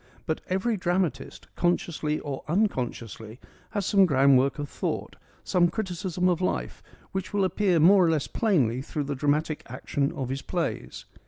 But every dramatist, consciously or unconsciously, has some groundwork of thought, some criticism of life, which will appear more or less plainly through the dramatic action of his plays.